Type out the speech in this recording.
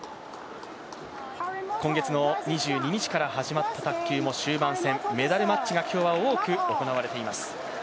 今月の２２日から始まった大会も終盤戦、メダルマッチが今日は多く行われています。